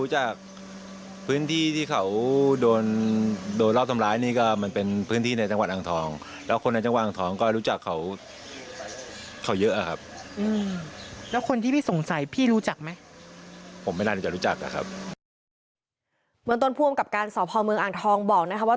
เหมือนต้นพรวมกับการสอบพอมเมืองอังทองบอกนะครับว่า